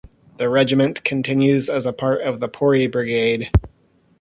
The regiment continues as a part of the Pori Brigade.